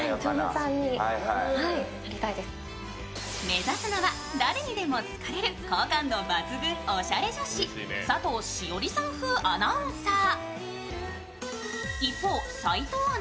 目指すのは誰にでも好かれる好感度抜群おしゃれ女子、佐藤栞里さん風アナウンサー。